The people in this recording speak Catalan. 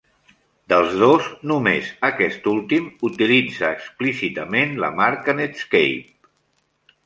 Dels dos, només aquest últim utilitza explícitament la marca Netscape.